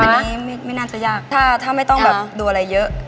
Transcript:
อันนี้ไม่น่าจะยากถ้าไม่ต้องแบบดูอะไรเยอะ